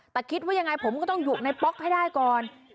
แต่คิดว่ายังไงผมก็ต้องอยู่ในป๊อกให้ได้ก่อน